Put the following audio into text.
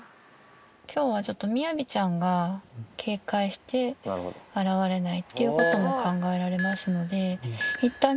きょうはちょっとみやびちゃんが警戒して現れないっていうことも考えられますので、いったん、